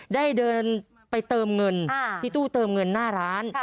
ได้เดินไปเติมเงินที่ตู้เติมเงินหน้าร้าน